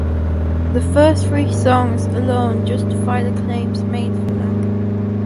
The first three songs alone justify the claims made for them.